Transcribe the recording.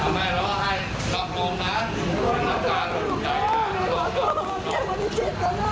แม่ขอโทษแม่ไม่ได้เจ็บต่อหน้าพ่อ